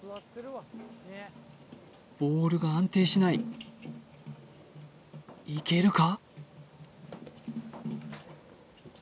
ボールが安定しないいけるか？